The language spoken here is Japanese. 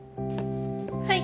はい！